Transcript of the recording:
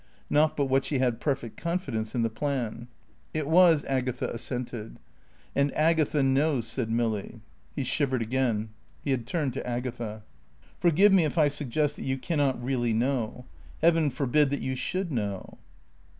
(Not but what she had perfect confidence in the plan.) It was, Agatha assented. "And Agatha knows," said Milly. He shivered again. He had turned to Agatha. "Forgive me if I suggest that you cannot really know. Heaven forbid that you should know."